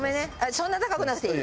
そんな高くなくていい。